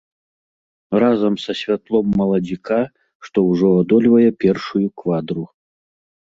Разам са святлом маладзіка, што ўжо адольвае першую квадру.